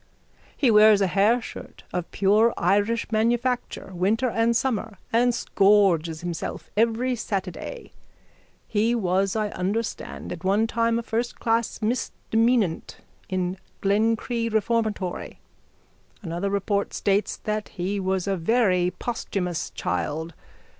He wears a hairshirt of pure Irish manufacture winter and summer and scourges himself every Saturday. He was, I understand, at one time a firstclass misdemeanant in Glencree reformatory. Another report states that he was a very posthumous child.